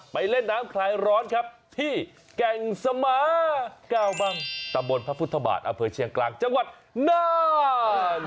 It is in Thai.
เล่นน้ำคลายร้อนครับที่แก่งสมา๙บังตะบนพระพุทธบาทอำเภอเชียงกลางจังหวัดน่าน